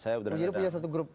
jadi punya satu grup